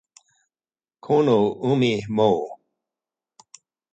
Kono Umi mo.